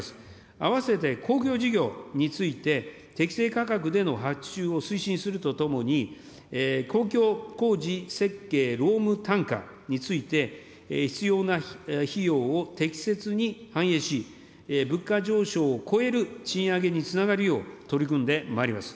併せて公共事業について、適正価格での発注を推進するとともに、公共工事設計労務単価について、必要な費用を適切に反映し、物価上昇を超える賃上げにつながるよう、取り組んでまいります。